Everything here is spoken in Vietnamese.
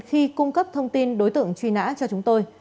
khi cung cấp thông tin đối tượng truy nã cho chúng tôi